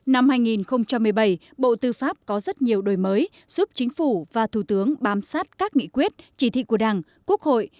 năm hai nghìn một mươi bảy bộ tư pháp có rất nhiều đổi mới giúp chính phủ và thủ tướng bám sát các nghị quyết chỉ thị của đảng quốc hội